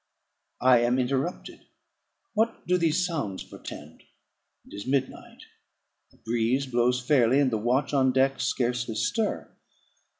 I am interrupted. What do these sounds portend? It is midnight; the breeze blows fairly, and the watch on deck scarcely stir.